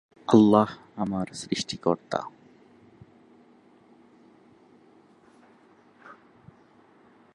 সেক্ষেত্রে প্রথম দল পুনরায় ব্যাট করার ঝুঁকি গ্রহণ করে না ও দলের জয়ের সম্ভাবনা ব্যাপক থাকে।